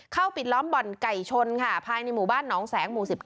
ปิดล้อมบ่อนไก่ชนค่ะภายในหมู่บ้านหนองแสงหมู่๑๙